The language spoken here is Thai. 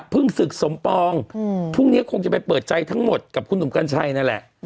พรุ่งนี้คงจะไปเปิดจัยทั้งหมดกับคุณหนูกัญชัยนั่นแหละ